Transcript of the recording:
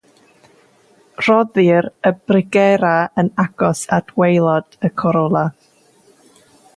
Rhoddir y brigerau yn agos at waelod y corola.